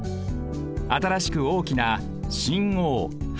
新しく大きな新大橋。